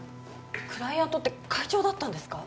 クライアントって会長だったんですか？